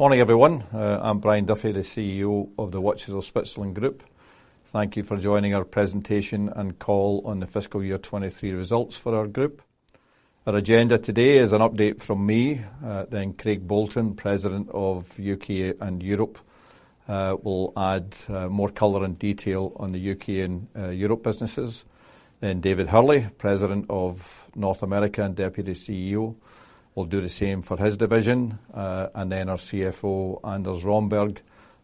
Morning, everyone. I'm Brian Duffy, the CEO of the Watches of Switzerland Group. Thank you for joining our presentation and call on the fiscal year 2023 results for our group. Our agenda today is an update from me, then Craig Bolton, President of U.K. and Europe, will add more color and detail on the U.K. and Europe businesses. Then David Hurley, President of North America and Deputy CEO, will do the same for his division. And then our CFO, Anders Romberg,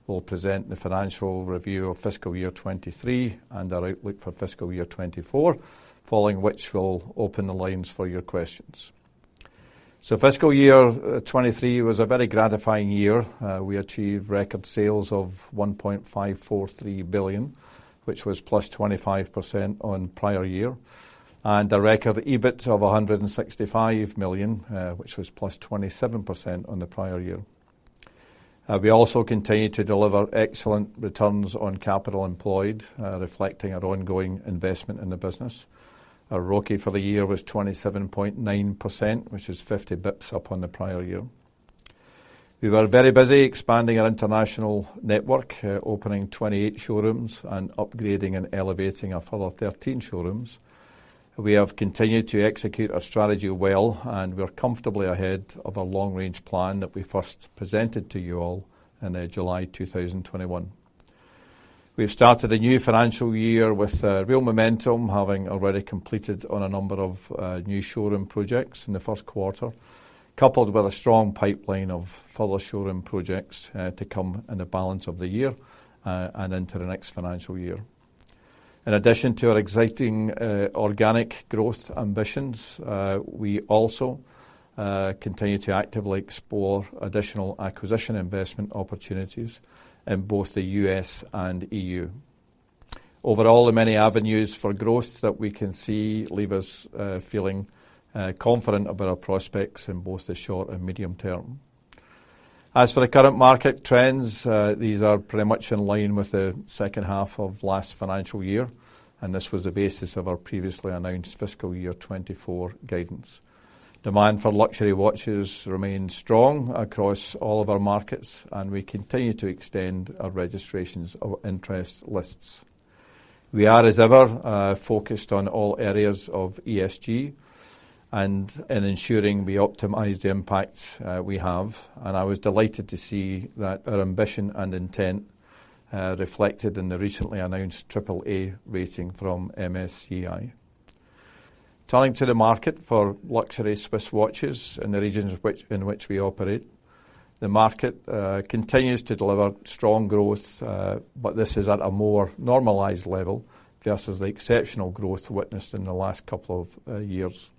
will present the financial review of fiscal year 2023 and our outlook for fiscal year 2024, following which we'll open the lines for your questions. Fiscal year 2023 was a very gratifying year. We achieved record sales of 1.543 billion, which was +25% on prior year, and a record EBIT of 165 million, which was +27% on the prior year. We also continued to deliver excellent returns on capital employed, reflecting our ongoing investment in the business. Our ROCE for the year was 27.9%, which is 50 bps up on the prior year. We were very busy expanding our international network, opening 28 showrooms and upgrading and elevating a further 13 showrooms. We have continued to execute our strategy well, and we are comfortably ahead of our long-range plan that we first presented to you all in July 2021. We've started a new financial year with real momentum, having already completed on a number of new showroom projects in the 1st quarter, coupled with a strong pipeline of further showroom projects to come in the balance of the year and into the next financial year. In addition to our exciting organic growth ambitions, we also continue to actively explore additional acquisition investment opportunities in both the U.S. and E.U. Overall, the many avenues for growth that we can see leave us feeling confident about our prospects in both the short and medium term. As for the current market trends, these are pretty much in line with the second half of last financial year. This was the basis of our previously announced fiscal year 2024 guidance. Demand for luxury watches remains strong across all of our markets, and we continue to extend our registrations of interest lists. We are, as ever, focused on all areas of ESG and in ensuring we optimize the impact we have. I was delighted to see that our ambition and intent reflected in the recently announced AAA rating from MSCI. Turning to the market for luxury Swiss watches in the regions in which we operate. The market continues to deliver strong growth, but this is at a more normalized level versus the exceptional growth witnessed in the last couple of years.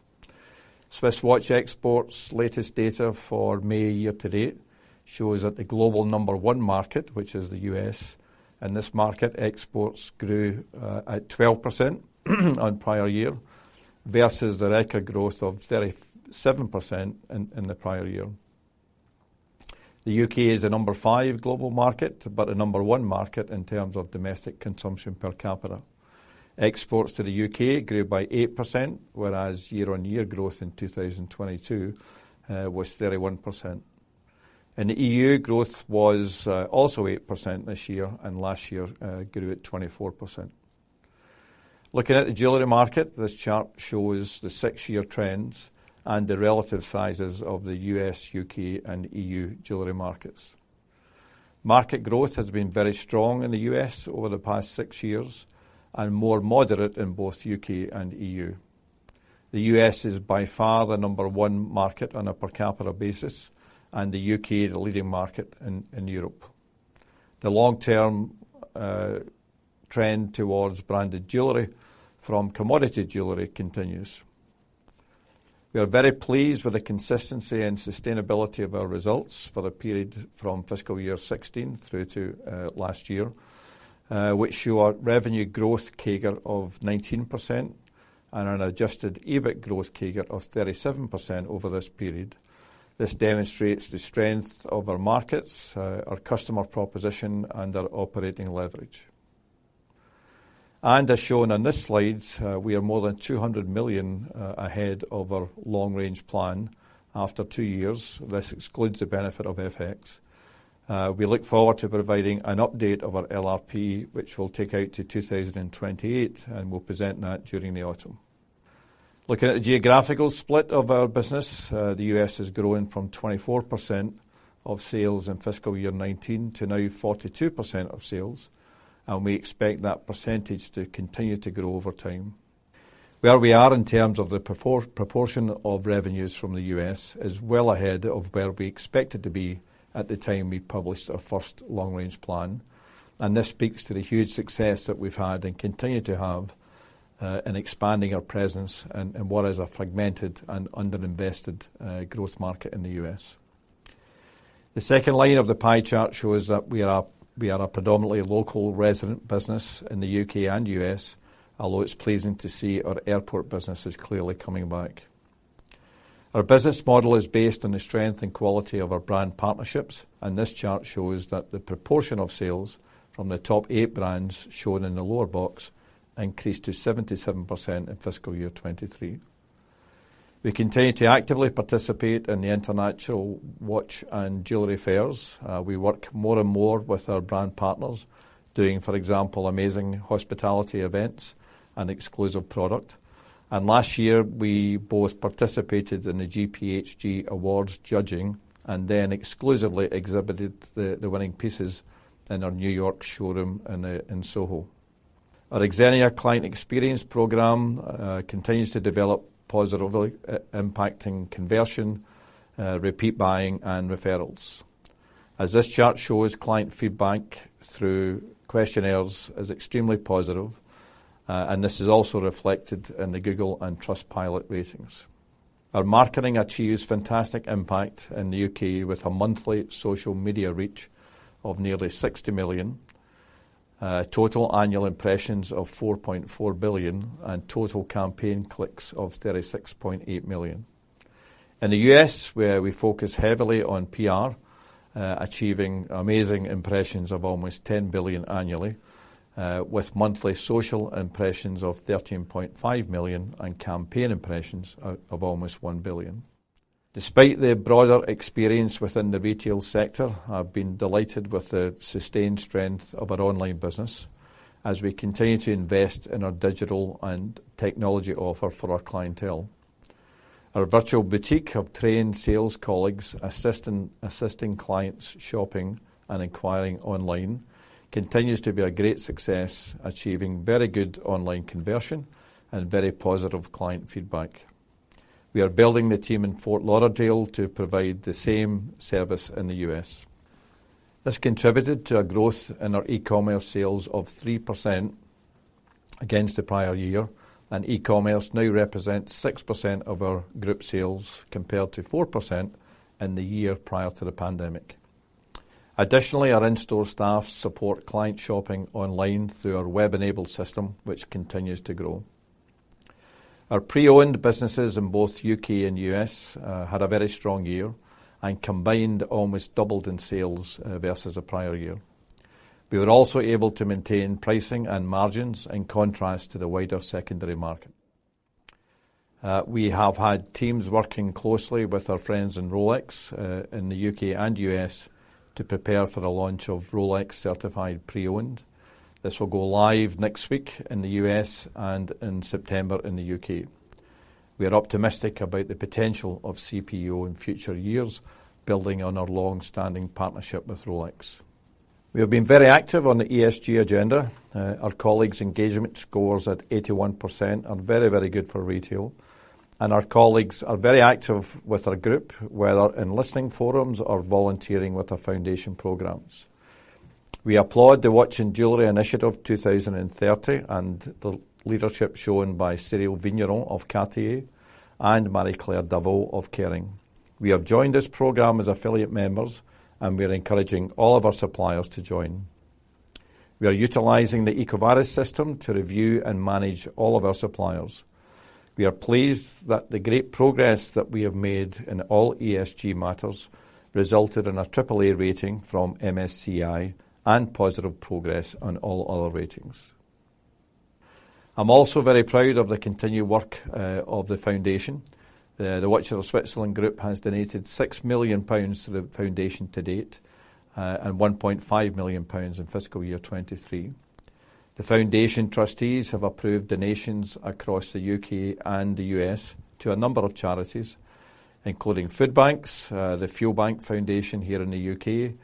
Swiss watch exports latest data for May year to date shows that the global number one market, which is the US, in this market, exports grew at 12% on prior year, versus the record growth of 37% in the prior year. The U.K. is the number five global market, but the number one market in terms of domestic consumption per capita. Exports to the U.K. grew by 8%, whereas year-on-year growth in 2022 was 31%. In the E.U., growth was also 8% this year, and last year grew at 24%. Looking at the jewelry market, this chart shows the six-year trends and the relative sizes of the U.S., U.K., and E.U. jewelry markets. Market growth has been very strong in the U.S. over the past six years and more moderate in both U.K. and E.U. The U.S. is by far the number one market on a per capita basis. The U.K., the leading market in Europe. The long-term trend towards branded jewelry from commodity jewelry continues. We are very pleased with the consistency and sustainability of our results for the period from fiscal year 2016 through to last year, which show our revenue growth CAGR of 19% and an adjusted EBIT growth CAGR of 37% over this period. This demonstrates the strength of our markets, our customer proposition, and our operating leverage. As shown on this slide, we are more than 200 million ahead of our long-range plan after two years. This excludes the benefit of FX. We look forward to providing an update of our LRP, which will take out to 2028, and we'll present that during the autumn. Looking at the geographical split of our business, the U.S. is growing from 24% of sales in fiscal year 2019 to now 42% of sales, and we expect that percentage to continue to grow over time. Where we are in terms of the proportion of revenues from the U.S. is well ahead of where we expected to be at the time we published our 1st long-range plan. This speaks to the huge success that we've had, and continue to have, in expanding our presence in what is a fragmented and underinvested, growth market in the U.S. The second layer of the pie chart shows that we are a predominantly local resident business in the U.K. and U.S., although it's pleasing to see our airport business is clearly coming back. Our business model is based on the strength and quality of our brand partnerships, this chart shows that the proportion of sales from the top eight brands shown in the lower box increased to 77% in fiscal year 2023. We continue to actively participate in the international watch and jewelry fairs. We work more and more with our brand partners, doing, for example, amazing hospitality events and exclusive product. Last year, we both participated in the GPHG Awards judging, then exclusively exhibited the winning pieces in our New York showroom in Soho. Our Xenia client experience program continues to develop positively, impacting conversion, repeat buying, and referrals. As this chart shows, client feedback through questionnaires is extremely positive, this is also reflected in the Google and Trustpilot ratings. Our marketing achieves fantastic impact in the U.K., with a monthly social media reach of nearly 60 million, total annual impressions of 4.4 billion, and total campaign clicks of 36.8 million. In the U.S., where we focus heavily on PR, achieving amazing impressions of almost 10 billion annually, with monthly social impressions of 13.5 million, and campaign impressions of almost 1 billion. Despite the broader experience within the retail sector, I've been delighted with the sustained strength of our online business as we continue to invest in our digital and technology offer for our clientele. Our virtual boutique of trained sales colleagues, assisting clients shopping and inquiring online, continues to be a great success, achieving very good online conversion and very positive client feedback. We are building the team in Fort Lauderdale to provide the same service in the US. This contributed to a growth in our e-commerce sales of 3% against the prior year, and e-commerce now represents 6% of our group sales, compared to 4% in the year prior to the pandemic. Additionally, our in-store staff support client shopping online through our web-enabled system, which continues to grow. Our pre-owned businesses in both U.K. and U.S., had a very strong year and combined, almost doubled in sales, versus the prior year. We were also able to maintain pricing and margins in contrast to the wider secondary market. We have had teams working closely with our friends in Rolex, in the U.K. and U.S., to prepare for the launch of Rolex-certified pre-owned. This will go live next week in the U.S. and in September in the U.K. We are optimistic about the potential of CPO in future years, building on our long-standing partnership with Rolex. We have been very active on the ESG agenda. Our colleagues' engagement scores at 81% are very, very good for retail, and our colleagues are very active with our group, whether in listening forums or volunteering with our foundation programs. We applaud the Watch & Jewellery Initiative 2030 and the leadership shown by Cyrille Vigneron of Cartier and Marie-Claire Daveu of Kering. We have joined this program as affiliate members, and we are encouraging all of our suppliers to join. We are utilizing the EcoVadis system to review and manage all of our suppliers. We are pleased that the great progress that we have made in all ESG matters resulted in a AAA rating from MSCI and positive progress on all other ratings. I'm also very proud of the continued work of the foundation. The Watches of Switzerland Group has donated 6 million pounds to the foundation to date, and 1.5 million pounds in fiscal year 2023. The foundation trustees have approved donations across the U.K. and the U.S. to a number of charities, including food banks, the Fuel Bank Foundation here in the U.K.,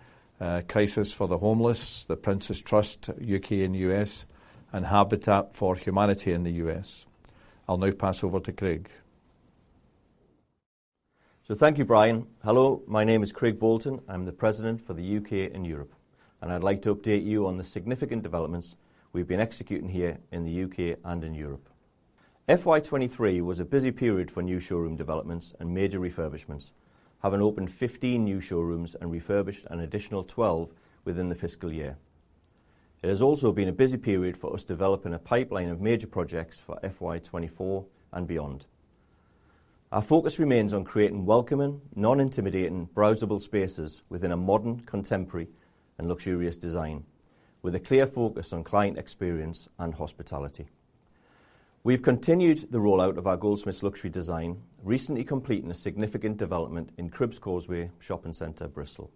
Crisis for the Homeless, The Prince's Trust, U.K. and U.S., and Habitat for Humanity in the U.S. I'll now pass over to Craig. Thank you, Brian. Hello, my name is Craig Bolton. I'm the President for the U.K. and Europe, and I'd like to update you on the significant developments we've been executing here in the U.K. and in Europe. FY 2023 was a busy period for new showroom developments and major refurbishments, having opened 15 new showrooms and refurbished an additional 12 within the fiscal year. It has also been a busy period for us, developing a pipeline of major projects for FY 2024 and beyond. Our focus remains on creating welcoming, non-intimidating, browsable spaces within a modern, contemporary, and luxurious design, with a clear focus on client experience and hospitality. We've continued the rollout of our Goldsmiths luxury design, recently completing a significant development in Cribbs Causeway Shopping Center, Bristol.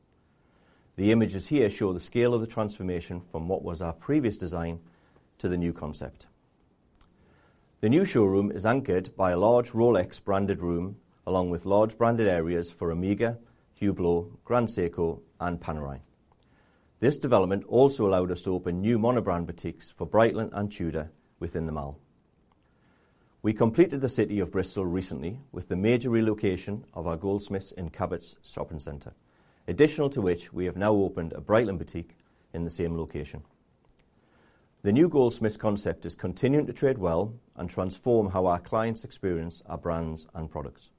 The images here show the scale of the transformation from what was our previous design to the new concept. The new showroom is anchored by a large Rolex-branded room, along with large branded areas for OMEGA, Hublot, Grand Seiko, and Panerai. This development also allowed us to open new mono-brand boutiques for Breitling and TUDOR within the mall. We completed the City of Bristol recently with the major relocation of our Goldsmiths in Cabot Shopping Centre. We have now opened a Breitling boutique in the same location. The new Goldsmiths concept is continuing to trade well and transform how our clients experience our brands and products.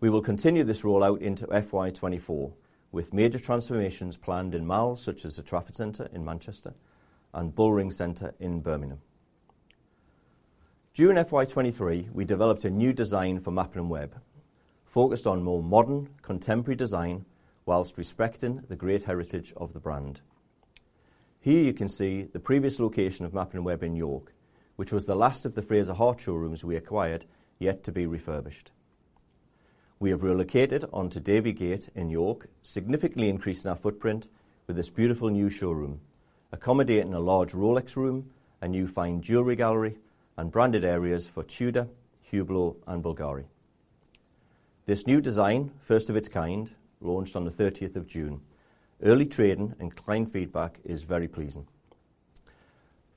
We will continue this rollout into FY 2024, with major transformations planned in malls such as the Trafford Centre in Manchester and Bullring in Birmingham. During FY 2023, we developed a new design for Mappin & Webb, focused on more modern, contemporary design, while respecting the great heritage of the brand. Here you can see the previous location of Mappin & Webb in York, which was the last of the Fraser Hart showrooms we acquired, yet to be refurbished. We have relocated onto Davygate in York, significantly increasing our footprint with this beautiful new showroom, accommodating a large Rolex room, a new fine jewelry gallery, and branded areas for TUDOR, Hublot, and BVLGARI. This new design, first of its kind, launched on the June 30th. Early trading and client feedback is very pleasing.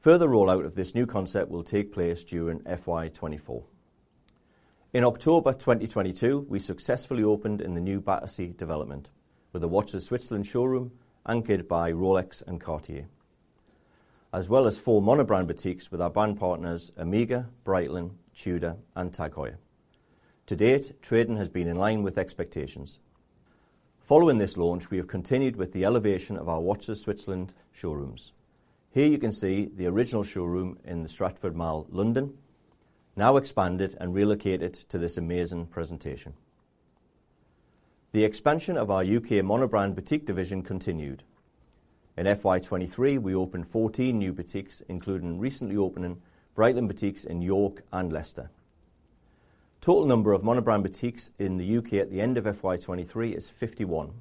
Further rollout of this new concept will take place during FY 2024. In October 2022, we successfully opened in the new Battersea development, with a Watches of Switzerland showroom anchored by Rolex and Cartier, as well as four mono-brand boutiques with our brand partners, OMEGA, Breitling, TUDOR, and TAG Heuer. To date, trading has been in line with expectations. Following this launch, we have continued with the elevation of our Watches of Switzerland showrooms. Here you can see the original showroom in the Stratford Mall, London, now expanded and relocated to this amazing presentation. The expansion of our U.K. mono-brand boutique division continued. In FY 2023, we opened 14 new boutiques, including recently opening Breitling boutiques in York and Leicester. Total number of mono-brand boutiques in the U.K. at the end of FY 2023 is 51,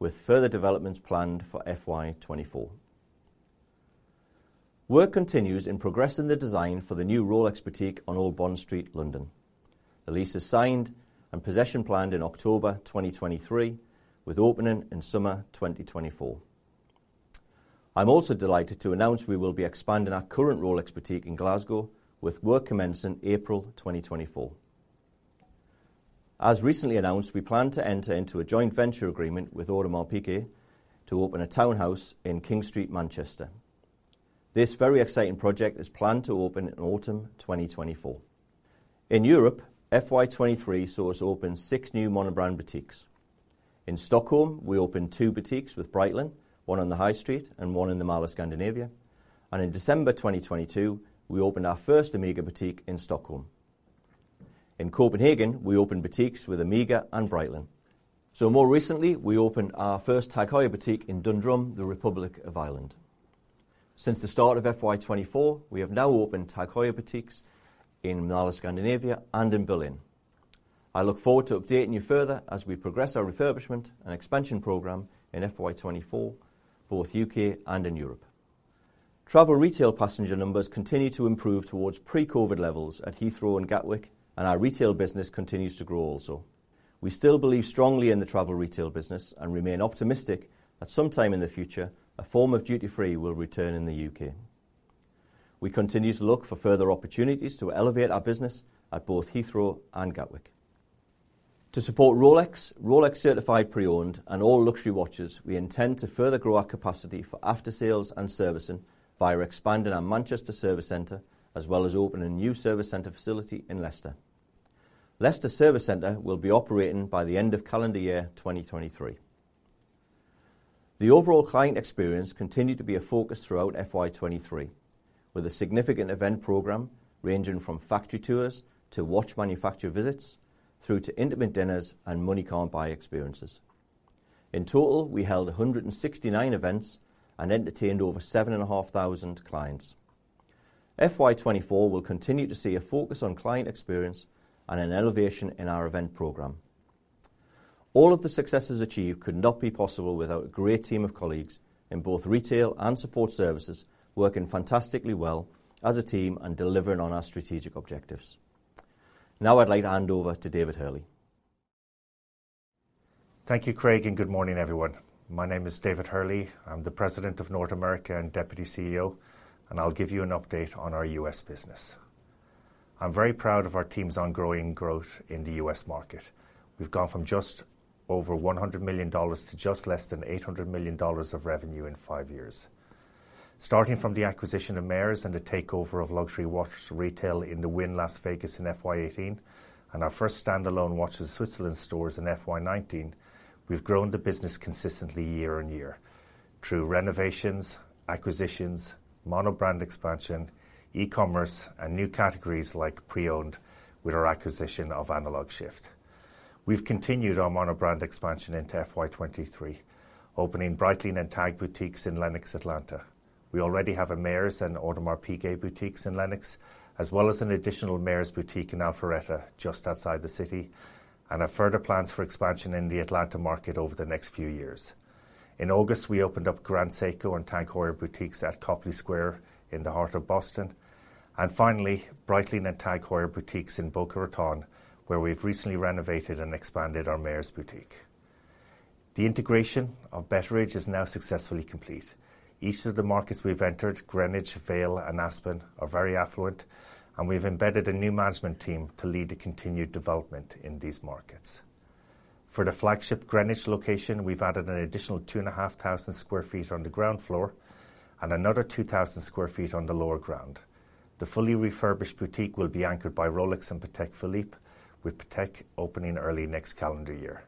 with further developments planned for FY 2024. Work continues in progressing the design for the new Rolex boutique on Old Bond Street, London. The lease is signed and possession planned in October 2023, with opening in summer 2024. I'm also delighted to announce we will be expanding our current Rolex boutique in Glasgow, with work commencing April 2024. As recently announced, we plan to enter into a joint venture agreement with Audemars Piguet to open a townhouse in King Street, Manchester. This very exciting project is planned to open in autumn 2024. In Europe, FY 2023 saw us open 6 new mono-brand boutiques. In Stockholm, we opened 2 boutiques with Breitling, one on the High Street and one in the Mall of Scandinavia. In December 2022, we opened our 1st OMEGA boutique in Stockholm. In Copenhagen, we opened boutiques with OMEGA and Breitling. More recently, we opened our 1st TAG Heuer boutique in Dundrum, the Republic of Ireland. Since the start of FY 2024, we have now opened TAG Heuer boutiques in Mall of Scandinavia and in Berlin. I look forward to updating you further as we progress our refurbishment and expansion program in FY 2024, both U.K. and in Europe. Travel retail passenger numbers continue to improve towards pre-COVID levels at Heathrow and Gatwick, and our retail business continues to grow also. We still believe strongly in the travel retail business and remain optimistic that sometime in the future, a form of duty-free will return in the U.K. We continue to look for further opportunities to elevate our business at both Heathrow and Gatwick. To support Rolex Certified Pre-Owned, and all luxury watches, we intend to further grow our capacity for after-sales and servicing via expanding our Manchester service center, as well as opening a new service center facility in Leicester. Leicester service center will be operating by the end of calendar year 2023. The overall client experience continued to be a focus throughout FY 2023, with a significant event program ranging from factory tours to watch manufacture visits, through to intimate dinners and money-can't-buy experiences. In total, we held 169 events and entertained over 7,500 clients. FY 2024 will continue to see a focus on client experience and an elevation in our event program. All of the successes achieved could not be possible without a great team of colleagues in both retail and support services, working fantastically well as a team and delivering on our strategic objectives. I'd like to hand over to David Hurley. Thank you, Craig. Good morning, everyone. My name is David Hurley. I'm the President of North America and Deputy CEO, and I'll give you an update on our U.S. business. I'm very proud of our team's ongoing growth in the U.S. market. We've gone from just over $100 million to just less than $800 million of revenue in five years. Starting from the acquisition of Mayors and the takeover of luxury watches retail in the Wynn Las Vegas in FY 2018, and our first standalone Watches of Switzerland stores in FY 2019, we've grown the business consistently year-on-year through renovations, acquisitions, mono-brand expansion, e-commerce, and new categories like pre-owned with our acquisition of Analog Shift. We've continued our mono-brand expansion into FY 2023, opening Breitling and TAG boutiques in Lenox, Atlanta. We already have a Mayors and Audemars Piguet boutiques in Lenox, as well as an additional Mayors boutique in Alpharetta, just outside the city, and have further plans for expansion in the Atlanta market over the next few years. In August, we opened up Grand Seiko and TAG Heuer boutiques at Copley Square in the heart of Boston, and finally, Breitling and TAG Heuer boutiques in Boca Raton, where we've recently renovated and expanded our Mayors boutique. The integration of Betteridge is now successfully complete. Each of the markets we've entered, Greenwich, Vail, and Aspen, are very affluent, and we've embedded a new management team to lead the continued development in these markets. For the flagship Greenwich location, we've added an additional 2,500 sq ft on the ground floor and another 2,000 sq ft on the lower ground. The fully refurbished boutique will be anchored by Rolex and Patek Philippe, with Patek opening early next calendar year.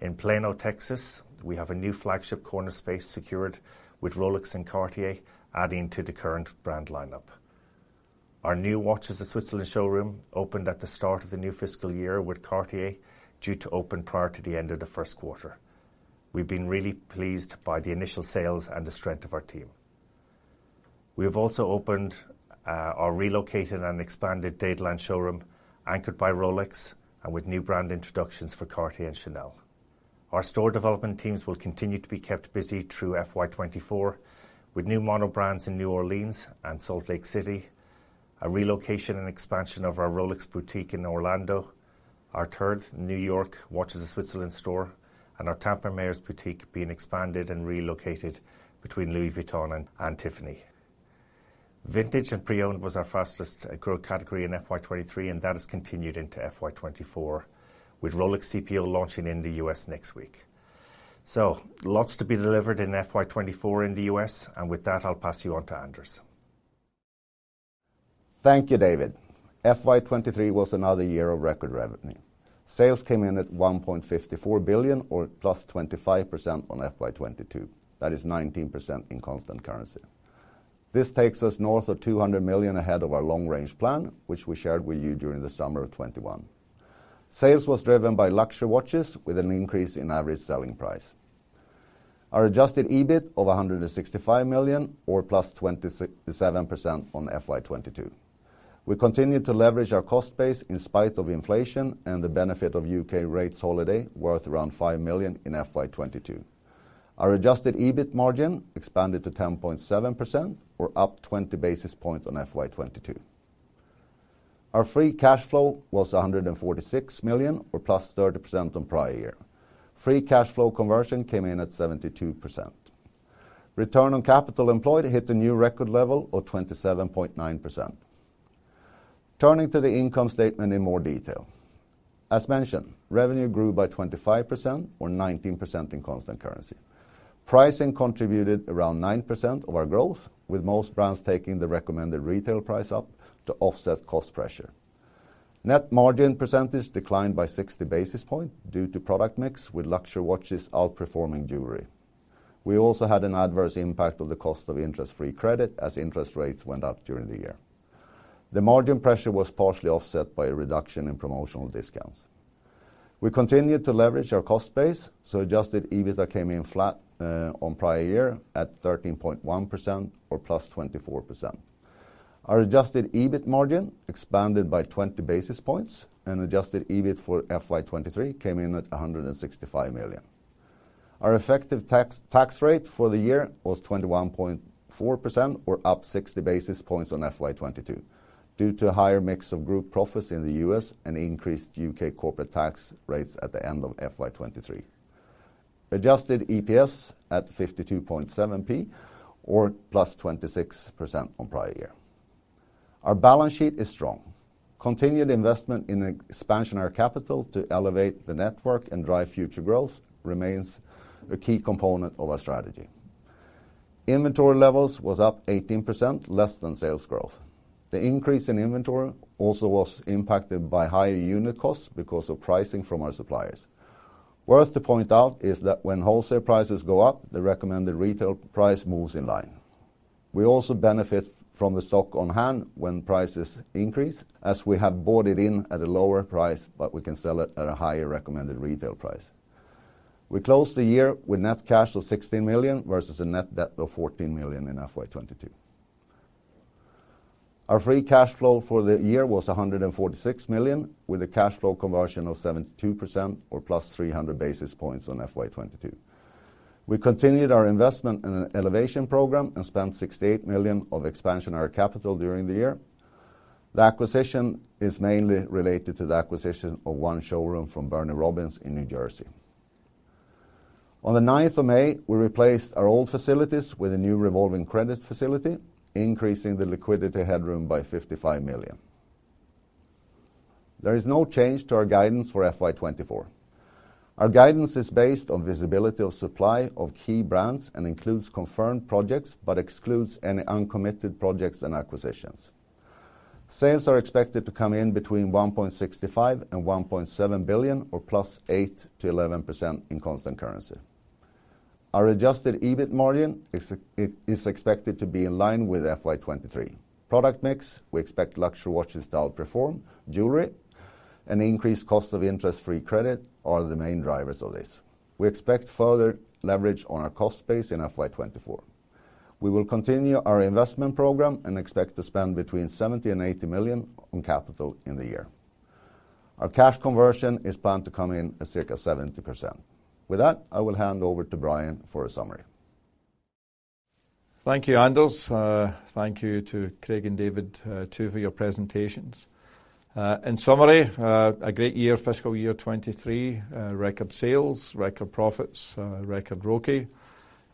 In Plano, Texas, we have a new flagship corner space secured with Rolex and Cartier adding to the current brand lineup. Our new Watches of Switzerland showroom opened at the start of the new fiscal year, with Cartier due to open prior to the end of the first quarter. We've been really pleased by the initial sales and the strength of our team. We have also opened our relocated and expanded Dadeland showroom, anchored by Rolex, and with new brand introductions for Cartier and Chanel. Our store development teams will continue to be kept busy through FY 2024, with new mono-brand stores in New Orleans and Salt Lake City, a relocation and expansion of our Rolex boutique in Orlando, our third New York Watches of Switzerland store, and our Tampa Mayors boutique being expanded and relocated between Louis Vuitton and Tiffany. Vintage and pre-owned was our fastest growth category in FY 2023, and that has continued into FY 2024, with Rolex CPO launching in the U.S. next week. Lots to be delivered in FY 2024 in the U.S., and with that, I'll pass you on to Anders. Thank you, David. FY 2023 was another year of record revenue. Sales came in at 1.54 billion, or +25% on FY 2022. That is 19% in constant currency. This takes us north of 200 million ahead of our long-range plan, which we shared with you during the summer of 2021. Sales was driven by luxury watches, with an increase in average selling price. Our adjusted EBIT of 165 million, or +27% on FY 2022. We continued to leverage our cost base in spite of inflation and the benefit of U.K. rates holiday, worth around 5 million in FY 2022. Our adjusted EBIT margin expanded to 10.7% or up 20 basis points on FY 2022. Our free cash flow was 146 million, or +30% on prior year. Free cash flow conversion came in at 72%. Return on capital employed hit a new record level of 27.9%. Turning to the income statement in more detail. As mentioned, revenue grew by 25% or 19% in constant currency. Pricing contributed around 9% of our growth, with most brands taking the recommended retail price up to offset cost pressure. Net margin percentage declined by 60 basis points due to product mix, with luxury watches outperforming jewelry. We also had an adverse impact of the cost of interest-free credit as interest rates went up during the year. The margin pressure was partially offset by a reduction in promotional discounts. We continued to leverage our cost base, so adjusted EBITDA came in flat on prior year, at 13.1% or +24%. Our adjusted EBIT margin expanded by 20 basis points, and adjusted EBIT for FY 2023 came in at 165 million. Our effective tax rate for the year was 21.4%, or up 60 basis points on FY 2022, due to a higher mix of group profits in the U.S. and increased U.K. corporate tax rates at the end of FY 2023. Adjusted EPS at 0.527 or +26% on prior year. Our balance sheet is strong. Continued investment in expansionary capital to elevate the network and drive future growth remains a key component of our strategy. Inventory levels was up 18%, less than sales growth. The increase in inventory also was impacted by higher unit costs because of pricing from our suppliers. Worth to point out is that when wholesale prices go up, the recommended retail price moves in line. We also benefit from the stock on hand when prices increase, as we have bought it in at a lower price, but we can sell it at a higher recommended retail price. We closed the year with net cash of 16 million versus a net debt of 14 million in FY 2022. Our free cash flow for the year was 146 million, with a cash flow conversion of 72% or +300 basis points on FY 2022. We continued our investment in an elevation program and spent 68 million of expansionary capital during the year. The acquisition is mainly related to the acquisition of one showroom from Bernie Robbins in New Jersey. On the 9th of May, we replaced our old facilities with a new revolving credit facility, increasing the liquidity headroom by 55 million. There is no change to our guidance for FY 2024. Our guidance is based on visibility of supply of key brands and includes confirmed projects, but excludes any uncommitted projects and acquisitions. Sales are expected to come in between 1.65 billion and 1.7 billion, or +8% to 11% in constant currency. Our adjusted EBIT margin is expected to be in line with FY 2023. Product mix, we expect luxury watches to outperform jewelry, and increased cost of interest-free credit are the main drivers of this. We expect further leverage on our cost base in FY 2024. We will continue our investment program and expect to spend between 70 million and 80 million on capital in the year. Our cash conversion is planned to come in at circa 70%. With that, I will hand over to Brian for a summary. Thank you, Anders. Thank you to Craig and David, too, for your presentations. In summary, a great year, fiscal year 2023. Record sales, record profits, record ROCE.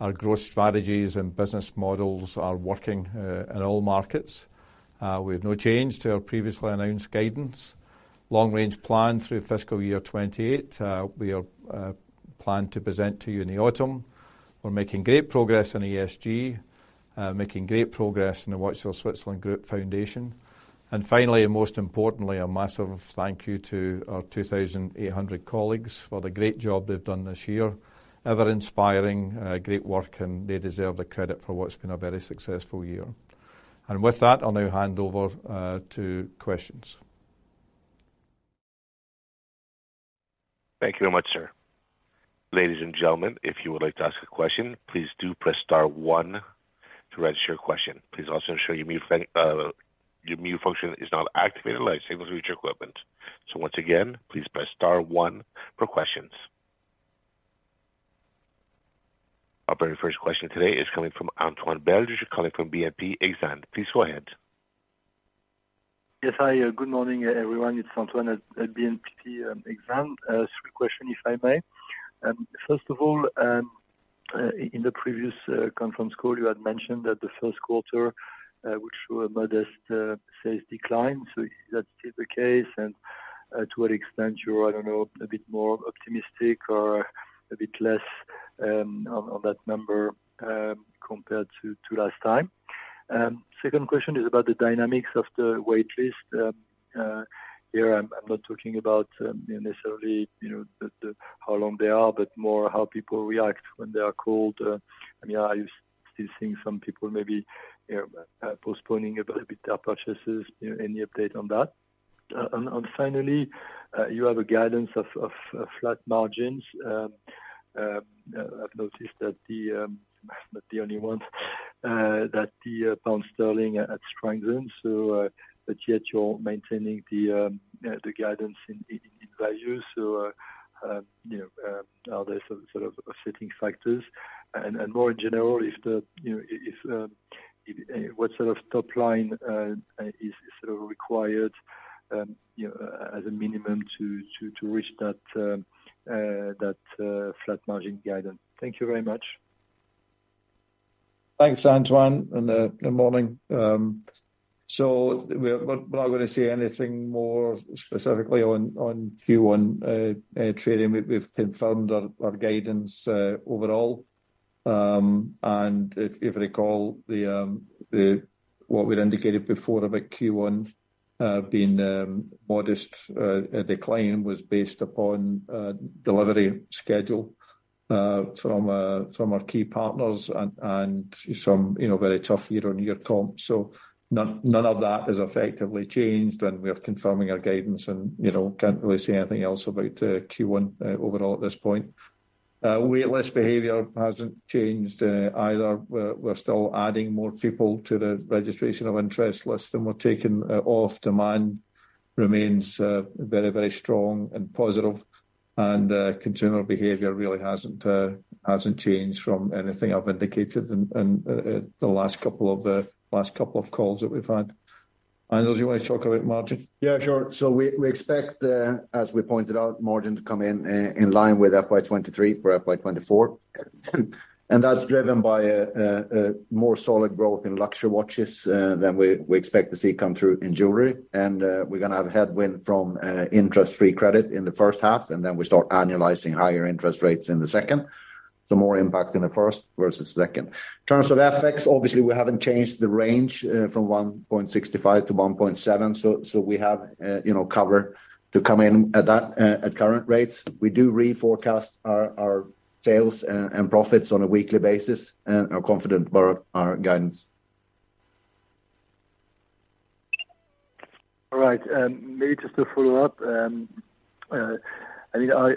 Our growth strategies and business models are working in all markets. We have no change to our previously announced guidance. Long-range plan through fiscal year 2028, we are planned to present to you in the autumn. We're making great progress on ESG, making great progress in the Watches of Switzerland Group Foundation. Finally, and most importantly, a massive thank you to our 2,800 colleagues for the great job they've done this year. Ever inspiring, great work, and they deserve the credit for what's been a very successful year. With that, I'll now hand over to questions. Thank you very much, sir. Ladies and gentlemen, if you would like to ask a question, please do press star one to register your question. Please also ensure your mute function is not activated, light signals with your equipment. Once again, please press star one for questions. Our very first question today is coming from Antoine Belge, calling from BNP Exane. Please go ahead. Yes, hi. Good morning, everyone. It's Antoine at BNP Exane. Three questions, if I may. First of all, in the previous conference call, you had mentioned that the first quarter would show a modest sales decline. Is that still the case? To what extent you're, I don't know, a bit more optimistic or a bit less on that number compared to last time? Second question is about the dynamics of the wait list. Here I'm not talking about necessarily, you know, the how long they are, but more how people react when they are called. I mean, are you still seeing some people maybe, you know, postponing a bit their purchases? Any update on that? Finally, you have a guidance of flat margins. I've noticed that the not the only one that the pound sterling had strengthened, but yet you're maintaining the guidance in values. You know, are there some sort of offsetting factors? More in general, if the you know, if what sort of top line is required, you know, as a minimum to reach that flat margin guidance? Thank you very much. Thanks, Antoine, good morning. We're not gonna say anything more specifically on Q1 trading. We've confirmed our guidance overall. If you recall, what we'd indicated before about Q1 being modest decline was based upon delivery schedule from our key partners and some, you know, very tough year-on-year comp. None of that has effectively changed, and we are confirming our guidance and, you know, can't really say anything else about Q1 overall at this point. Wait list behavior hasn't changed either. We're still adding more people to the registration of interest list than we're taking off. Demand remains very, very strong and positive. Consumer behavior really hasn't changed from anything I've indicated in the last couple of calls that we've had. Anders, do you want to talk about margin? Yeah, sure. We expect, as we pointed out, margin to come in line with FY 2023 for FY 2024. That's driven by a more solid growth in luxury watches than we expect to see come through in jewelry. We're gonna have a headwind from interest-free credit in the first half, and then we start annualizing higher interest rates in the second. More impact in the first versus second. In terms of FX, obviously, we haven't changed the range from 1.65-1.7, so we have, you know, cover to come in at that at current rates. We do reforecast our sales and profits on a weekly basis and are confident about our guidance. Maybe just to follow up, I mean, I,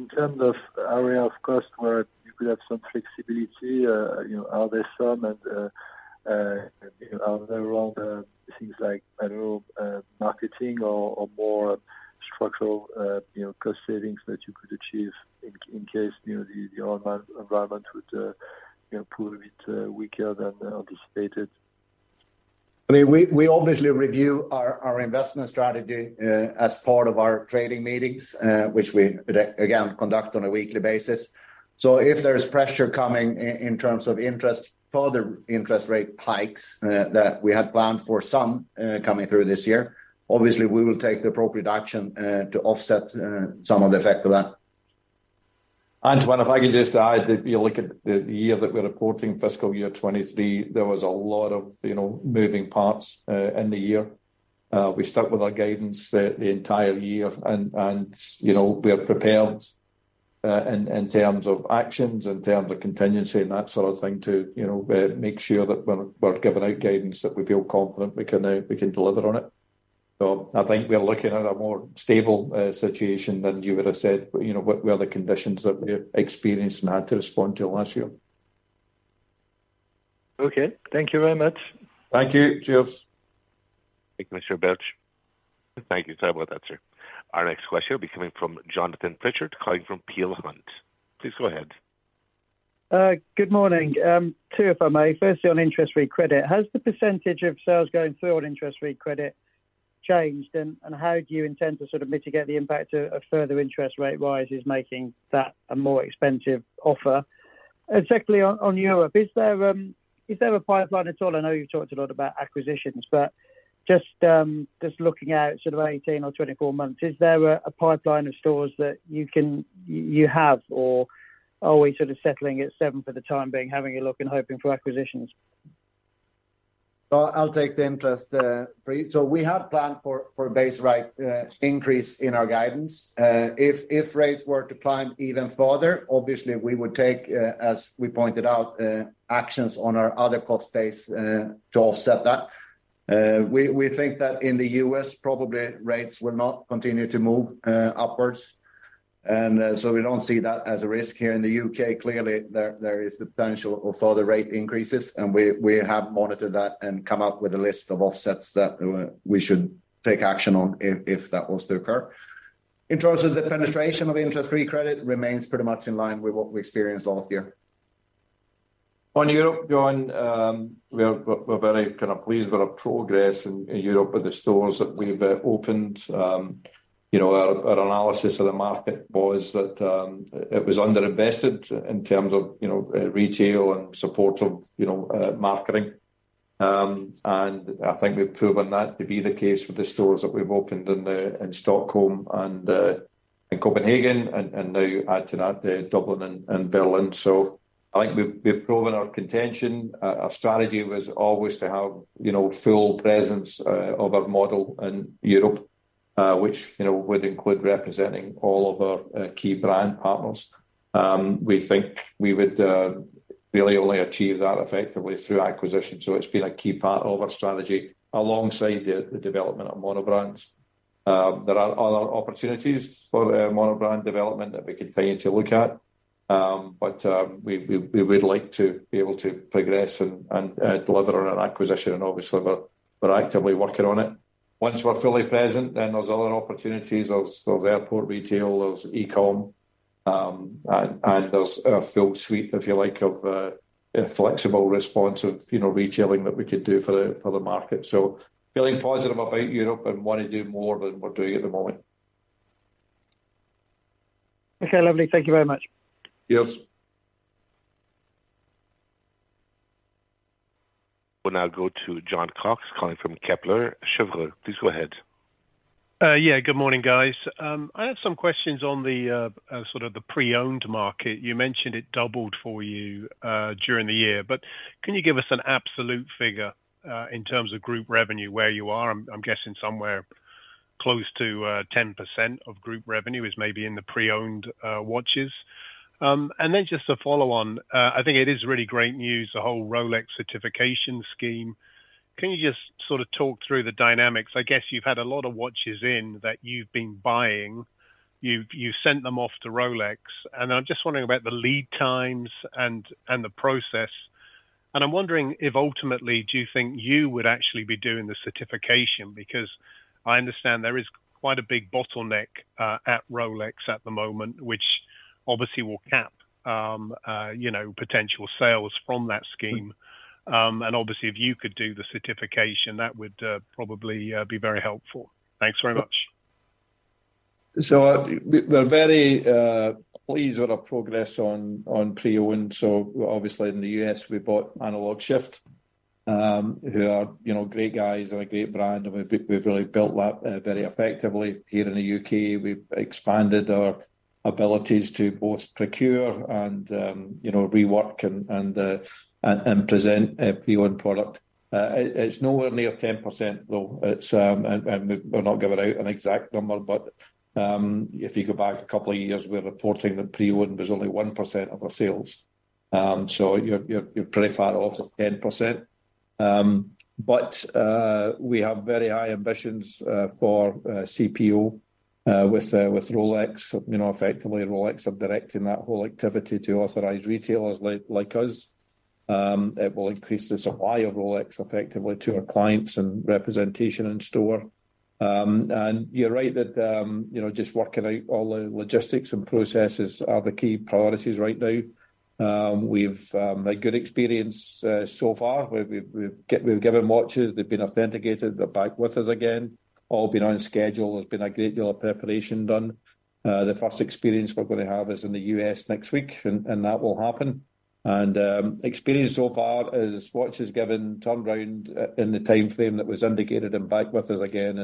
in terms of area of cost where you could have some flexibility, you know, are there some, and, you know, are there around, things like, I don't know, marketing or more structural, you know, cost savings that you could achieve in case, you know, the overall environment would, you know, prove a bit weaker than anticipated? I mean, we obviously review our investment strategy as part of our trading meetings, which we again, conduct on a weekly basis. If there's pressure coming in terms of interest, further interest rate hikes that we had planned for some coming through this year, obviously, we will take the appropriate action to offset some of the effect of that. Antoine, if I could just add that you look at the year that we're reporting, fiscal year 2023, there was a lot of, you know, moving parts in the year. We stuck with our guidance the entire year, and, you know, we are prepared in terms of actions, in terms of contingency and that sort of thing to, you know, make sure that we're giving out guidance that we feel confident we can deliver on it. I think we're looking at a more stable situation than you would have said, you know, with the conditions that we experienced and had to respond to last year. Okay. Thank you very much. Thank you. Cheers. Thank you, Mr. Belge. Thank you. Sorry about that, sir. Our next question will be coming from Jonathan Pritchard, calling from Peel Hunt. Please go ahead. Good morning. Two, if I may. Firstly, on interest-free credit, has the percentage of sales going through on interest-free credit changed, and how do you intend to sort of mitigate the impact of further interest rate rises making that a more expensive offer? Secondly, on Europe, is there a pipeline at all? I know you've talked a lot about acquisitions, but just looking out sort of 18 or 24 months, is there a pipeline of stores that you can you have, or are we sort of settling at seven for the time being, having a look and hoping for acquisitions? Well, I'll take the interest-free. We have planned for a base rate increase in our guidance. If rates were to climb even further, obviously, we would take as we pointed out actions on our other cost base to offset that. We think that in the U.S., probably rates will not continue to move upwards. We don't see that as a risk here in the U.K. Clearly, there is the potential of further rate increases, and we have monitored that and come up with a list of offsets that we should take action on if that was to occur. In terms of the penetration of interest-free credit remains pretty much in line with what we experienced last year. On Europe, John, we are very kind of pleased with our progress in Europe with the stores that we've opened. You know, our analysis of the market was that it was underinvested in terms of, you know, retail and support of, you know, marketing. I think we've proven that to be the case with the stores that we've opened in Stockholm and in Copenhagen, and now add to that Dublin and Berlin. I think we've proven our contention. Our strategy was always to have, you know, full presence of our model in Europe, which, you know, would include representing all of our key brand partners. We think we would really only achieve that effectively through acquisition, so it's been a key part of our strategy alongside the development of mono-brand. There are other opportunities for mono-brand development that we continue to look at. We would like to be able to progress and deliver on an acquisition, and obviously, we're actively working on it. Once we're fully present, then there's other opportunities. There's airport retail, there's e-com, and there's a full suite, if you like, of a flexible response of, you know, retailing that we could do for the market. Feeling positive about Europe and want to do more than we're doing at the moment. Okay, lovely. Thank you very much. Yes. We'll now go to Jon Cox, calling from Kepler Cheuvreux. Please go ahead. Yeah, good morning, guys. I have some questions on the sort of the pre-owned market. You mentioned it doubled for you during the year, can you give us an absolute figure in terms of group revenue, where you are? I'm guessing somewhere close to 10% of group revenue is maybe in the pre-owned watches. Just a follow-on. I think it is really great news, the whole Rolex certification scheme. Can you just sort of talk through the dynamics? I guess you've had a lot of watches in that you've been buying. You've sent them off to Rolex, I'm just wondering about the lead times and the process. I'm wondering if ultimately, do you think you would actually be doing the certification? I understand there is quite a big bottleneck at Rolex at the moment, which obviously will cap, you know, potential sales from that scheme. Obviously, if you could do the certification, that would probably be very helpful. Thanks very much. We're very pleased with our progress on pre-owned. Obviously, in the U.S., we bought Analog Shift, who are, you know, great guys and a great brand, and we've really built that very effectively here in the U.K. We've expanded our abilities to both procure and, you know, rework and present a pre-owned product. It's nowhere near 10%, though. It's, and we'll not give it out an exact number, but if you go back a couple of years, we're reporting that pre-owned was only 1% of our sales. You're pretty far off of 10%. We have very high ambitions for CPO with Rolex. You know, effectively, Rolex are directing that whole activity to authorized retailers like us. It will increase the supply of Rolex effectively to our clients and representation in store. You're right that, you know, just working out all the logistics and processes are the key priorities right now. We've a good experience so far, where we've given watches, they've been authenticated, they're back with us again, all been on schedule. There's been a great deal of preparation done. The first experience we're going to have is in the U.S. next week, that will happen. Experience so far is watches given turnaround in the timeframe that was indicated and back with us again,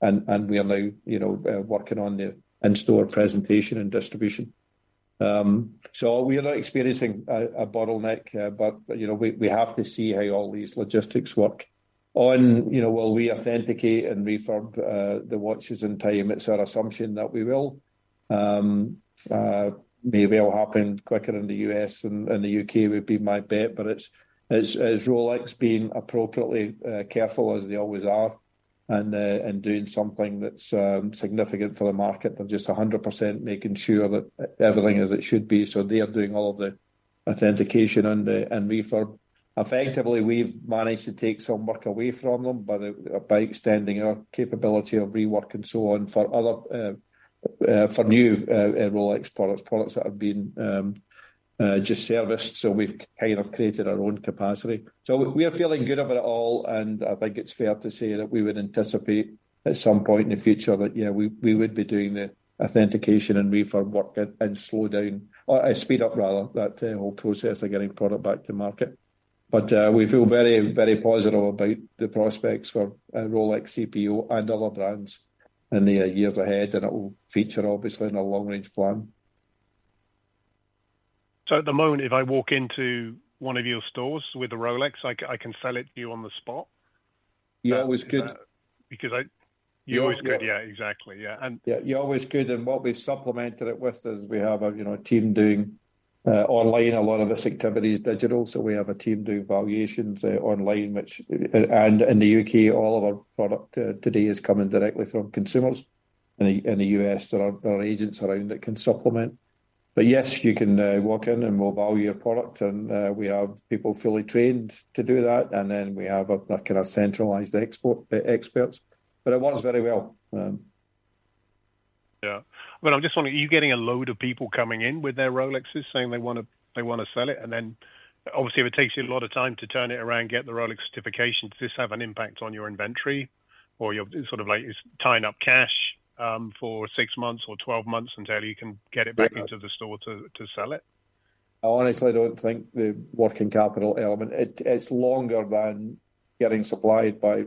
and we are now, you know, working on the in-store presentation and distribution. We are not experiencing a bottleneck, but, you know, we have to see how all these logistics work. You know, will we authenticate and refurb the watches in time? It's our assumption that we will. Maybe it'll happen quicker in the U.S. than in the U.K., would be my bet, but it's as Rolex being appropriately careful as they always are, and doing something that's significant for the market. They're just 100% making sure that everything as it should be, they are doing all of the authentication and refurb. Effectively, we've managed to take some work away from them by extending our capability of rework and so on, for other for new Rolex products that have been just serviced. We've kind of created our own capacity. We are feeling good about it all, and I think it's fair to say that we would anticipate at some point in the future that, yeah, we would be doing the authentication and refurb work and slow down, or speed up rather, that whole process of getting product back to market. We feel very, very positive about the prospects for Rolex CPO and other brands in the years ahead, and it will feature obviously in our long-range plan. At the moment, if I walk into one of your stores with a Rolex, I can sell it to you on the spot? You're always good. Because. You're always- You're always good. Yeah, exactly. Yeah. Yeah, you're always good, and what we supplemented it with is we have a team doing online. A lot of this activity is digital, so we have a team doing valuations online, which, and in the U.K., all of our product today is coming directly from consumers. In the U.S., there are agents around that can supplement. Yes, you can walk in, and we'll value your product, and we have people fully trained to do that, and then we have a kind of centralized export experts. It works very well. Well, I'm just wondering, are you getting a load of people coming in with their Rolexes, saying they wanna sell it, and then, obviously, if it takes you a lot of time to turn it around, get the Rolex certification, does this have an impact on your inventory, or your sort of like it's tying up cash, for 6 months or 12 months until you can get it back into the store to sell it? I honestly don't think the working capital element. It's longer than getting supplied by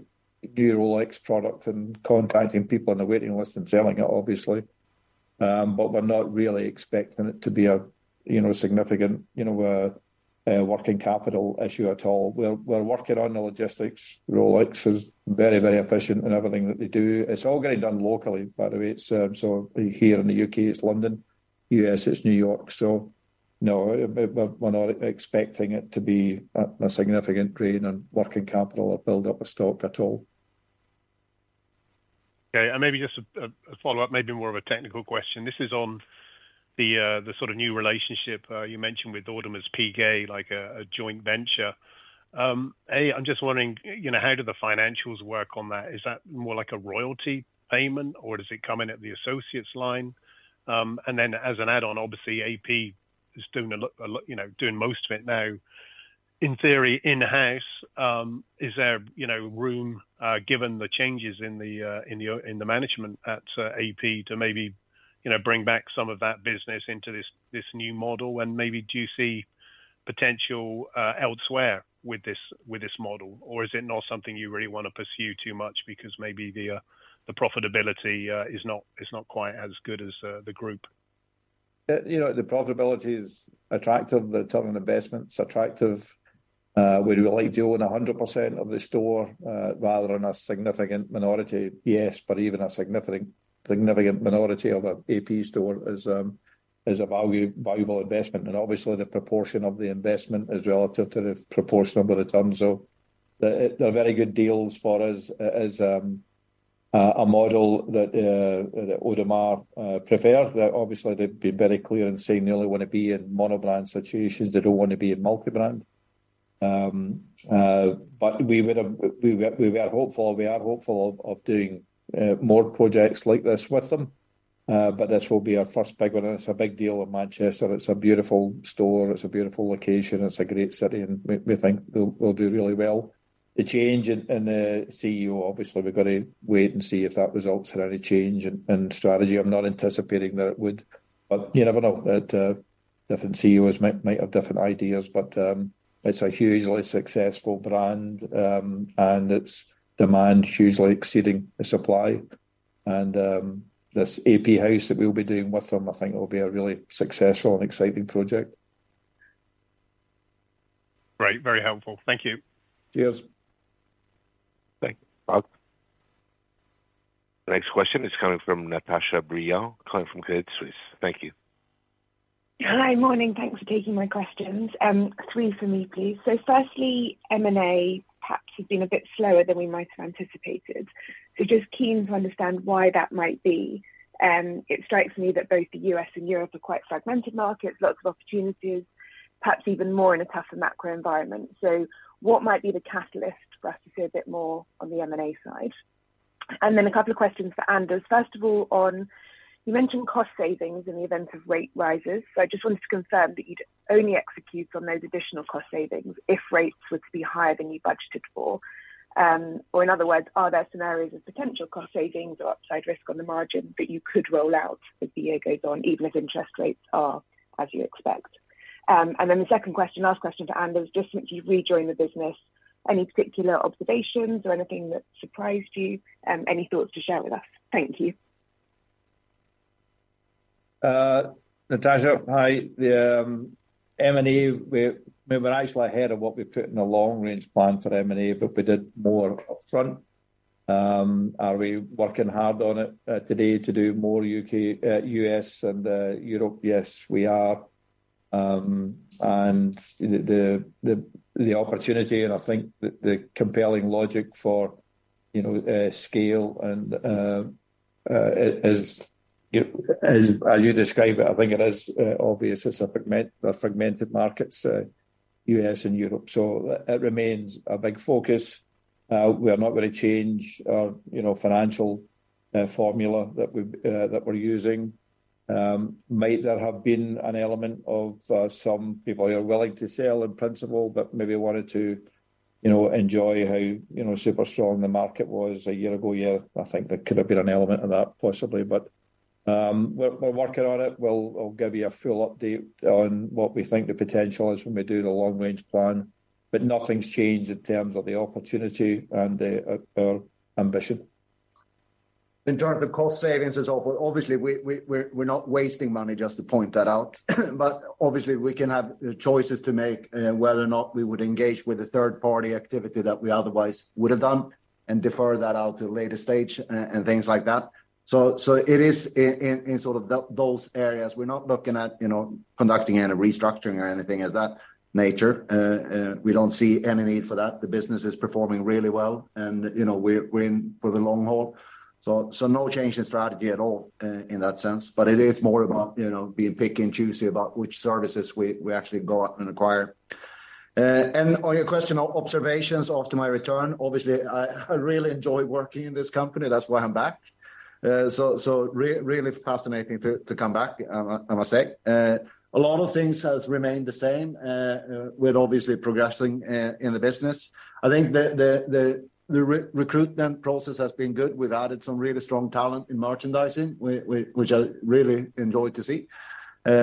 new Rolex product and contacting people on the waiting list and selling it, obviously. We're not really expecting it to be a, you know, significant, you know, working capital issue at all. We're working on the logistics. Rolex is very, very efficient in everything that they do. It's all getting done locally, by the way. It's here in the U.K., it's London. U.S., it's New York. No, we're not expecting it to be a significant drain on working capital or build up of stock at all. Okay, maybe just a follow-up, maybe more of a technical question. This is on the sort of new relationship, you mentioned with Audemars Piguet, like a joint venture. A) I'm just wondering, you know, how do the financials work on that? Is that more like a royalty payment, or does it come in at the associates line? As an add-on, obviously, AP is doing a lot, you know, doing most of it now. In theory, in-house, is there, you know, room, given the changes in the management at AP to maybe, you know, bring back some of that business into this new model? Maybe, do you see potential, elsewhere with this, with this model? Is it not something you really want to pursue too much because maybe the profitability is not quite as good as the Group? You know, the profitability is attractive. The return on investment is attractive. Would we like to own 100% of the store, rather than a significant minority? Yes, but even a significant minority of a AP store is a valuable investment. Obviously, the proportion of the investment is relative to the proportion of the return. They're very good deals for us as a model that Audemars prefer. Obviously, they've been very clear in saying they only want to be in mono-brand situations. They don't want to be in multibrand. We are hopeful, we are hopeful of doing more projects like this with them. This will be our first big one, and it's a big deal in Manchester. It's a beautiful store. It's a beautiful location. It's a great city. We think we'll do really well. The change in the CEO, obviously, we've got to wait and see if that results in any change in strategy. I'm not anticipating that it would, but you never know. Different CEOs might have different ideas, but it's a hugely successful brand, and its demand hugely exceeding the supply. This AP house that we'll be doing with them, I think will be a really successful and exciting project. Great. Very helpful. Thank you. Cheers. Thank you, Mark. The next question is coming from Natasha Brilliant, coming from Credit Suisse. Thank you. Hi. Morning. Thanks for taking my questions. Three for me, please. Firstly, M&A perhaps has been a bit slower than we might have anticipated. Just keen to understand why that might be. It strikes me that both the U.S. and Europe are quite fragmented markets, lots of opportunities, perhaps even more in a tougher macro environment. What might be the catalyst for us to see a bit more on the M&A side? Then a couple of questions for Anders. First of all, on, you mentioned cost savings in the event of rate rises. I just wanted to confirm that you'd only execute on those additional cost savings if rates were to be higher than you budgeted for. In other words, are there scenarios of potential cost savings or upside risk on the margin that you could roll out as the year goes on, even if interest rates are as you expect? The second question, last question for Anders, just since you've rejoined the business, any particular observations or anything that surprised you, any thoughts to share with us? Thank you. Natasha, hi. The M&A, we were actually ahead of what we put in the long-range plan for M&A, but we did more upfront. Are we working hard on it today to do more U.K., U.S. and Europe? Yes, we are. The opportunity and I think the compelling logic for, you know, scale and as you describe it, I think it is obvious it's a fragmented markets, U.S. and Europe. It remains a big focus. We are not going to change our, you know, financial formula that we've that we're using. Might there have been an element of some people who are willing to sell in principle, but maybe wanted to, you know, enjoy how, you know, super strong the market was a year ago? Yeah, I think there could have been an element of that, possibly. We're working on it. We'll give you a full update on what we think the potential is when we do the long-range plan, but nothing's changed in terms of the opportunity and our ambition. In terms of cost savings as well, obviously, we're not wasting money, just to point that out. Obviously, we can have choices to make, whether or not we would engage with a third-party activity that we otherwise would have done and defer that out to a later stage and things like that. It is in sort of those areas. We're not looking at, you know, conducting any restructuring or anything of that nature. We don't see any need for that. The business is performing really well, and, you know, we're in for the long haul. No change in strategy at all in that sense, but it is more about, you know, being picky and choosy about which services we actually go out and acquire. On your question on observations after my return, obviously, I really enjoy working in this company. That's why I'm back. Really fascinating to come back, I must say. A lot of things has remained the same, we're obviously progressing in the business. I think the recruitment process has been good. We've added some really strong talent in merchandising, which I really enjoyed to see.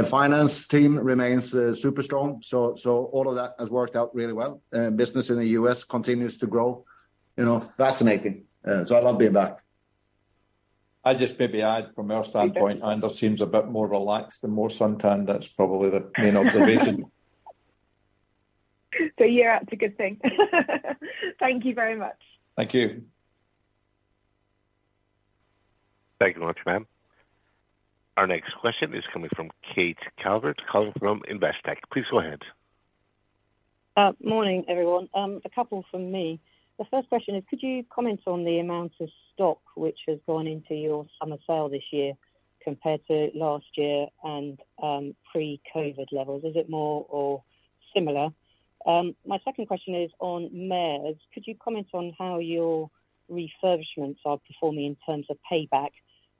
Finance team remains super strong, all of that has worked out really well. Business in the U.S. continues to grow, you know, fascinating. I love being back. I just maybe add from our standpoint, Anders seems a bit more relaxed and more suntanned. That's probably the main observation. You're up to good thing. Thank you very much. Thank you. Thank you very much, ma'am. Our next question is coming from Kate Calvert, calling from Investec. Please go ahead. Morning, everyone. A couple from me. The first question is, could you comment on the amount of stock which has gone into your summer sale this year compared to last year and pre-COVID levels? Is it more or similar? My second question is on Mayors. Could you comment on how your refurbishments are performing in terms of payback,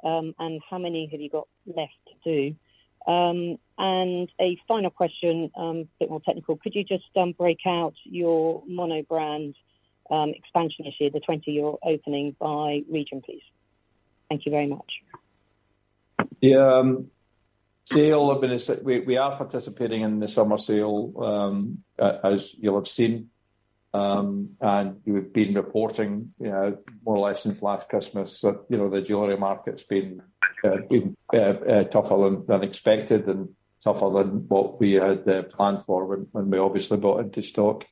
and how many have you got left to do? A final question, a bit more technical. Could you just break out your mono-brand expansion this year, the 20-year opening by region, please? Thank you very much. We are participating in the summer sale as you'll have seen. We've been reporting, you know, more or less since last Christmas that, you know, the jewelry market's been tougher than expected and tougher than what we had planned for when we obviously bought into stock.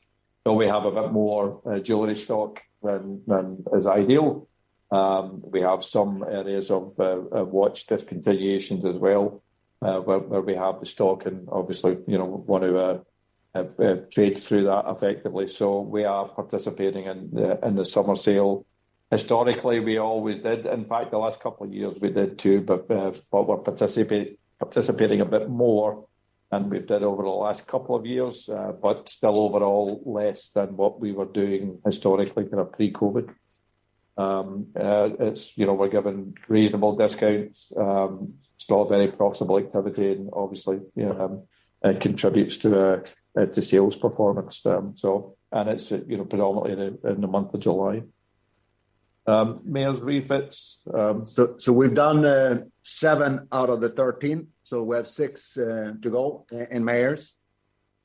We have a bit more jewelry stock than is ideal. We have some areas of watch discontinuations as well, where we have the stock and obviously, you know, want to trade through that effectively. We are participating in the summer sale. Historically, we always did. In fact, the last couple of years, we did too, but we're participating a bit more than we've did over the last couple of years, but still overall, less than what we were doing historically, kind of pre-COVID. It's, you know, we're given reasonable discounts, still very profitable activity, and obviously, you know, it contributes to the sales performance. It's, you know, predominantly in the month of July. Mayors refits, so we've done 7 out of the 13, so we have 6 to go in Mayors.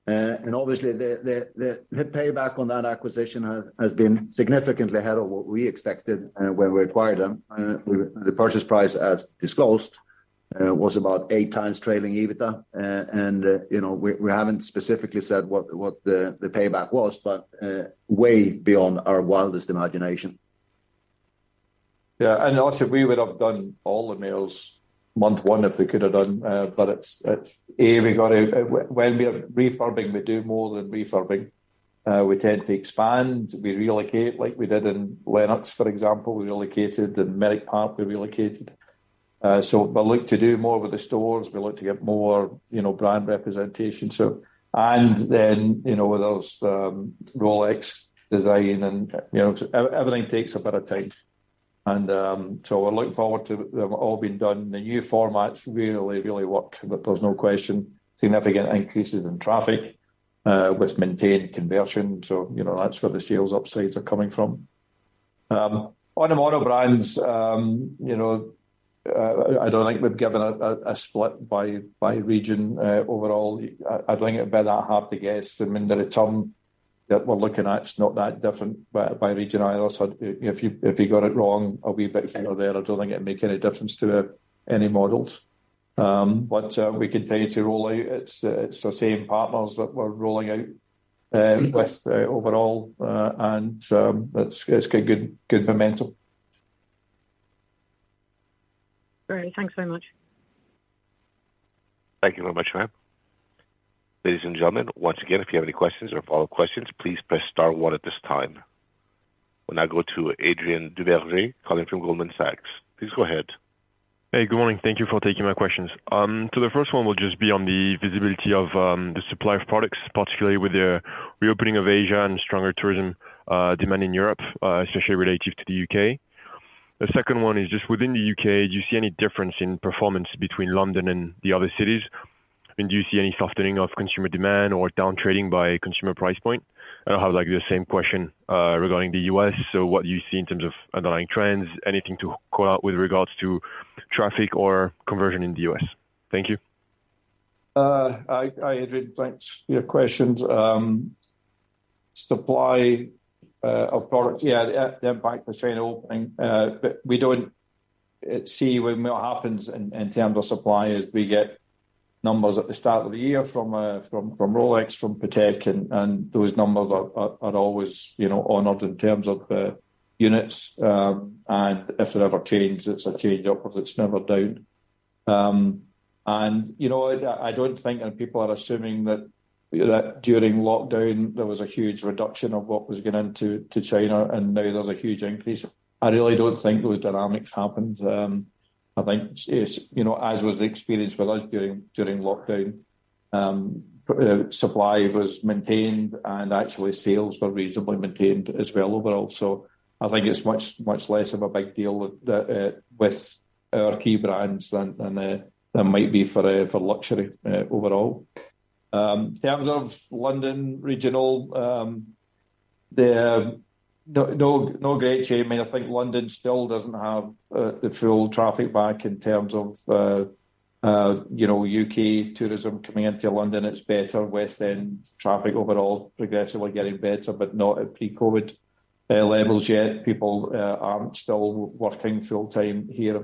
Obviously, the payback on that acquisition has been significantly ahead of what we expected when we acquired them. The purchase price, as disclosed, was about 8 times trailing EBITDA, and, you know, we haven't specifically said what the payback was, but, way beyond our wildest imagination. Yeah, also, we would have done all the Mayors month one, if we could have done. It's. When we are refurbing, we do more than refurbing. We tend to expand, we relocate, like we did in Lenox, for example, we relocated, in Merrick Park, we relocated. We look to do more with the stores. We look to get more, you know, brand representation. Then, you know, with those, Rolex design and, you know, everything takes a bit of time. We're looking forward to them all being done. The new formats really work, there's no question, significant increases in traffic, with maintained conversion. You know, that's where the sales upsides are coming from. On the mono-brand, you know, I don't think we've given a split by region. Overall, I think it'd be that hard to guess. I mean, there are some that we're looking at, it's not that different by region either. If you got it wrong, a wee bit here or there, I don't think it'd make any difference to any models. We continue to roll out. It's the same partners that we're rolling out with overall, it's got good momentum. Great. Thanks very much. Thank you very much, ma'am. Ladies and gentlemen, once again, if you have any questions or follow-up questions, please press star one at this time. We'll now go to Adrien Duverger, calling from Goldman Sachs. Please go ahead. Hey, good morning. Thank you for taking my questions. The first one will just be on the visibility of the supply of products, particularly with the reopening of Asia and stronger tourism demand in Europe, especially relative to the U.K. The second one is just within the U.K., do you see any difference in performance between London and the other cities? Do you see any softening of consumer demand or downtrading by consumer price point? I don't have, like, the same question regarding the U.S. What do you see in terms of underlying trends? Anything to call out with regards to traffic or conversion in the U.S.? Thank you. I, Adrien, thanks for your questions.... supply of product. The impact of China opening, we don't see what happens in terms of supply, is we get numbers at the start of the year from Rolex, from Patek, and those numbers are always, you know, honored in terms of units. If it ever changes, it's a change upwards, it's never down. You know, I don't think that people are assuming that during lockdown, there was a huge reduction of what was going into China, and now there's a huge increase. I really don't think those dynamics happened. I think it's, you know, as was the experience with us during lockdown, supply was maintained, and actually sales were reasonably maintained as well overall. I think it's much, much less of a big deal with the with our key brands than might be for for luxury overall. In terms of London regional, the, no, no great change. I mean, I think London still doesn't have the full traffic back in terms of, you know, U.K. tourism coming into London. It's better. West End traffic overall, progressively getting better, but not at pre-COVID levels yet. People aren't still working full time here.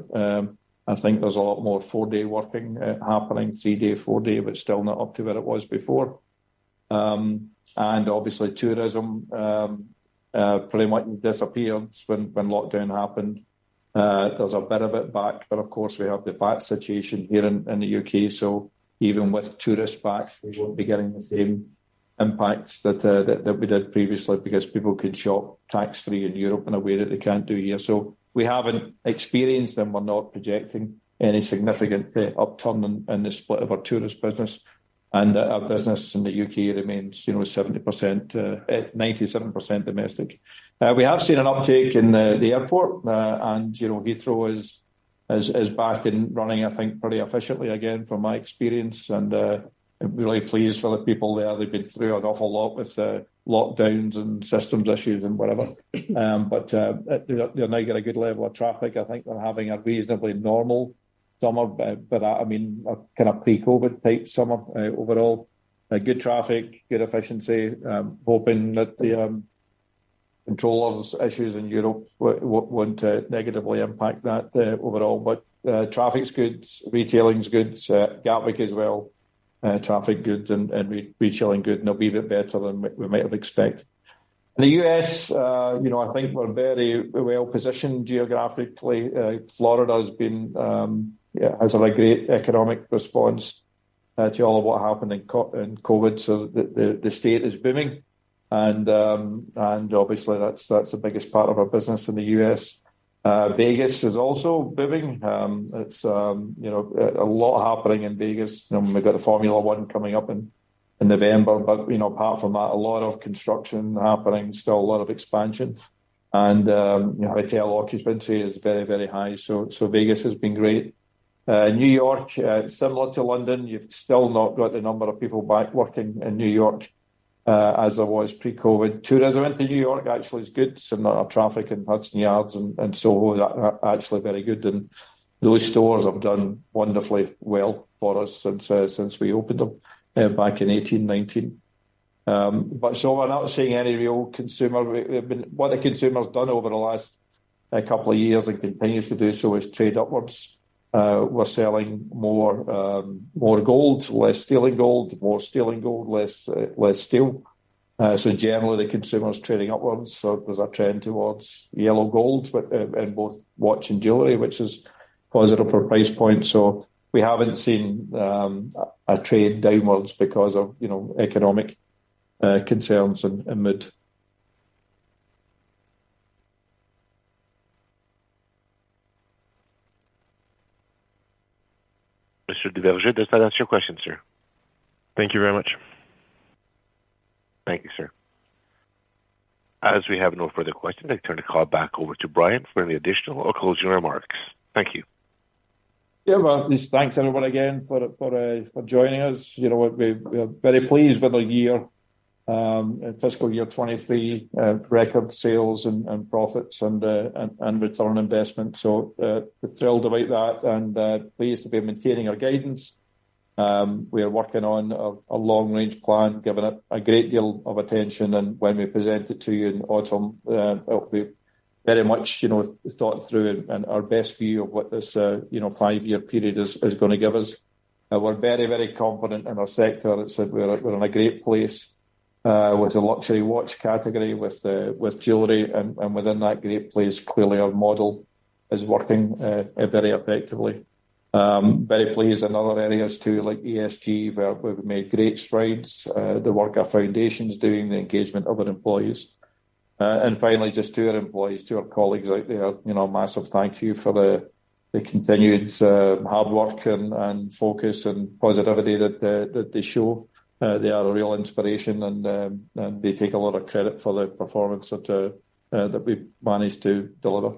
I think there's a lot more four-day working happening, three-day, four-day, but still not up to where it was before. Obviously tourism pretty much disappeared when lockdown happened. There's a bit of it back. Of course, we have the VAT situation here in the U.K., so even with tourists back, we won't be getting the same impact that we did previously because people can shop tax-free in Europe in a way that they can't do here. We haven't experienced them. We're not projecting any significant upturn in the split of our tourist business. Our business in the U.K. remains, you know, 70% at 97% domestic. We have seen an uptake in the airport, and, you know, Heathrow is back and running, I think, pretty efficiently again, from my experience. I'm really pleased for the people there. They've been through an awful lot with the lockdowns and systems issues and whatever. They now get a good level of traffic. I think they're having a reasonably normal summer, but, I mean, a kind of pre-COVID type summer, overall. Good traffic, good efficiency, hoping that the controllers issues in Europe won't negatively impact that, overall. Traffic's good, retailing is good, Gatwick as well, traffic good and retailing good, and a wee bit better than we might have expected. In the US, you know, I think we're very well positioned geographically. Florida has been, has a great economic response to all of what happened in COVID, so the state is booming. Obviously, that's the biggest part of our business in the US. Vegas is also booming. It's, you know, a lot happening in Vegas, and we've got a Formula One coming up in November. You know, apart from that, a lot of construction happening, still a lot of expansion. You know, hotel occupancy is very, very high, Vegas has been great. New York, similar to London, you've still not got the number of people back working in New York as it was pre-COVID. Tourism into New York actually is good, similar traffic in Hudson Yards and so are actually very good, and those stores have done wonderfully well for us since we opened them back in 2018, 2019. We're not seeing any real consumer. We've been, what the consumer has done over the last couple of years and continues to do so, is trade upwards. We're selling more gold, less steel and gold, more steel and gold, less steel. Generally, the consumer is trading upwards, so there's a trend towards yellow gold, but in both watch and jewelry, which is positive for price point. We haven't seen a trade downwards because of, you know, economic concerns and mood. Mr. De Berger, does that answer your question, sir? Thank you very much. Thank you, sir. As we have no further questions, I turn the call back over to Brian for any additional or closing remarks. Thank you. Well, thanks everyone again for joining us. You know what? We're very pleased with the year, fiscal year 2023, record sales and profits and return on investment. Thrilled about that and pleased to be maintaining our guidance. We are working on a long-range plan, giving it a great deal of attention, and when we present it to you in autumn, it'll be very much, you know, thought through and our best view of what this, you know, five year period is gonna give us. We're very confident in our sector that said we're in a great place with the luxury watch category, with the jewelry, and within that great place, clearly, our model is working very effectively. Very pleased in other areas, too, like ESG, where we've made great strides, the work our foundation's doing, the engagement of our employees. Finally, just to our employees, to our colleagues out there, you know, a massive thank you for the continued hard work and focus and positivity that they show. They are a real inspiration, and they take a lot of credit for the performance that we've managed to deliver.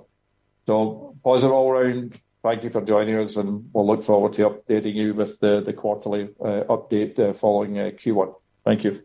Positive all around. Thank you for joining us, and we'll look forward to updating you with the quarterly update following Q1. Thank you.